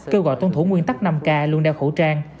kêu gọi tuân thủ nguyên tắc năm k luôn đeo khẩu trang